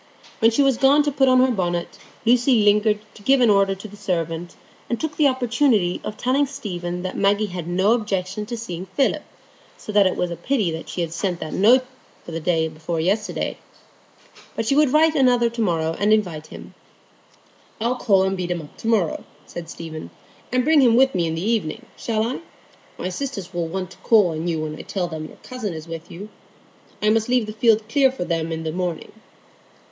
When she was gone to put on her bonnet, Lucy lingered to give an order to the servant, and took the opportunity of telling Stephen that Maggie had no objection to seeing Philip, so that it was a pity she had sent that note the day before yesterday. But she would write another to morrow and invite him. "I'll call and beat him up to morrow," said Stephen, "and bring him with me in the evening, shall I? My sisters will want to call on you when I tell them your cousin is with you. I must leave the field clear for them in the morning."